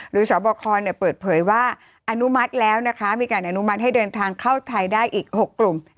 สบคเปิดเผยว่าอนุมัติแล้วนะคะมีการอนุมัติให้เดินทางเข้าไทยได้อีก๖กลุ่ม